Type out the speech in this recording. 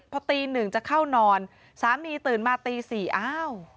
พอตี๑จะเข้านอนสามีตื่นมาตี๔อ้าว